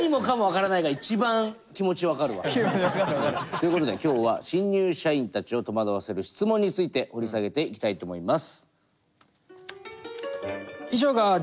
ということで今日は新入社員たちを戸惑わせる質問について掘り下げていきたいと思います。